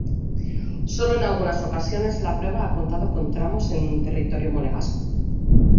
Solo en algunas ocasiones la prueba ha contado con tramos en territorio monegasco.